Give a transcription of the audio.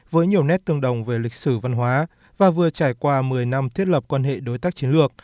với nhiều nét tương đồng về lịch sử văn hóa và vừa trải qua một mươi năm thiết lập quan hệ đối tác chiến lược